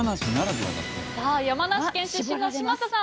さあ山梨県出身の嶋佐さん